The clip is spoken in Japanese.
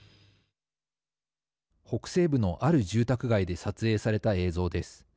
北西部のある住宅街で撮影された映像です。